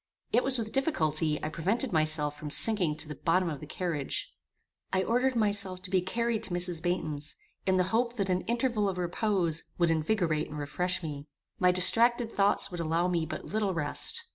It was with difficulty I prevented myself from sinking to the bottom of the carriage. I ordered myself to be carried to Mrs. Baynton's, in hope that an interval of repose would invigorate and refresh me. My distracted thoughts would allow me but little rest.